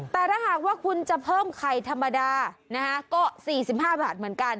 แต่ถ้าหากว่าคุณจะเพิ่มไข่ธรรมดานะฮะก็๔๕บาทเหมือนกัน